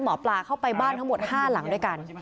หมอปลาเข้าไปบ้านทั้งหมด๕หลังด้วยกัน